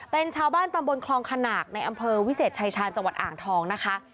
เป็นชาวบ้านตำบลคลองขนากในอำเภอวิเศษชายชาญจังหวัดอ่างทองนะคะ